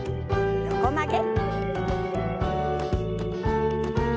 横曲げ。